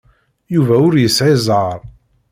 Yuba ur yesɛi zzheṛ.